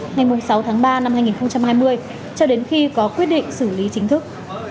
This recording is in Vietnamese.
ngày sáu tháng ba năm hai nghìn hai mươi cho đến khi có quyết định xử lý chính thức